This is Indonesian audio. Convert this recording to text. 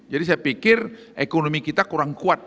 jadi saya pikir ekonomi kita kurang kuat